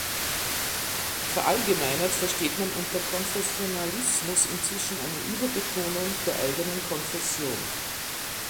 Verallgemeinert versteht man unter Konfessionalismus inzwischen eine Überbetonung der eigenen Konfession.